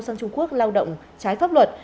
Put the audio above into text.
sang trung quốc lao động trái pháp luật